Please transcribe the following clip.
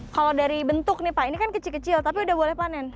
kalau dari bentuk nih pak ini kan kecil kecil tapi udah boleh panen